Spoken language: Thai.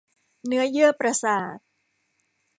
เนื้อเยื่อประสาท